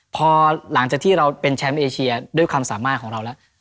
พอหลังจากที่เราเป็นแชมป์เอเชียด้วยความสามารถของเราแล้ว